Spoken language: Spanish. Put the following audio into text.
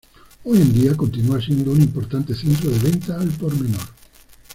Hoy en día, continúa siendo un importante centro de venta al por menor.